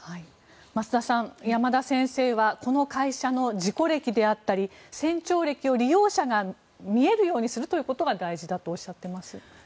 増田さん、山田先生はこの会社の事故歴であったり船長歴を利用者が見えるようにするということが大事だとおっしゃっています。